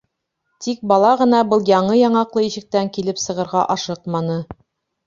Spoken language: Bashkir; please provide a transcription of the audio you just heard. Тик бала ғына был яңы яңаҡлы ишектән килеп сығырға ашыҡманы.